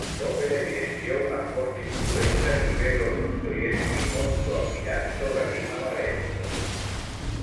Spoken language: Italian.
L'opera evidenziò una forte influenza di Fëdor Dostoevskij, molto ammirato da Lima Barreto.